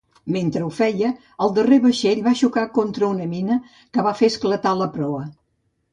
Mentre ho feia, el darrer vaixell va xocar contra una mina que va fer esclatar la proa.